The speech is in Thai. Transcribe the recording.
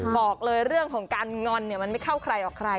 บอกเลยเรื่องของการงอนเนี่ยมันไม่เข้าใครออกใคร